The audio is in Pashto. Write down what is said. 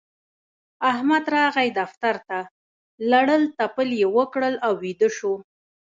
احمد راغی دفتر ته؛ لړل تپل يې وکړل او ويده شو.